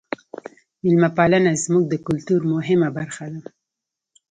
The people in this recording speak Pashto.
میلمه پالنه زموږ د کلتور مهمه برخه ده.